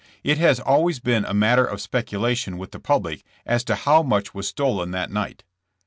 It has always been a matter of speculation with the public as to how much was stolen that night.